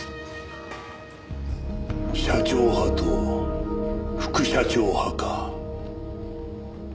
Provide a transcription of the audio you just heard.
社長派と副社長派か。